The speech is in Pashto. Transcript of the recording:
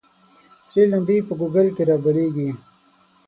ســـــــرې لمـبـــــې په ګوګـل کــې رابلـيـــږي